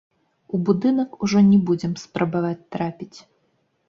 У будынак ужо не будзем спрабаваць трапіць.